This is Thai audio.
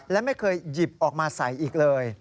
และไม่เคยหยิบออกมาใส่อีกเลย